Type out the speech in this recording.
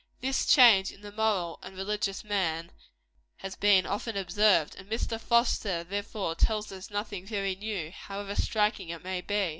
This change in the moral and religious man, has been often observed; and Mr. Foster, therefore, tells us nothing very new, however striking it may be.